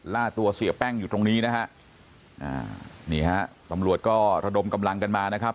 ล่าตัวเสียแป้งอยู่ตรงนี้นะฮะอ่านี่ฮะตำรวจก็ระดมกำลังกันมานะครับ